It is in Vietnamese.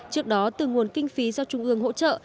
trước đó từ nguồn kinh phí do trung ương hỗ trợ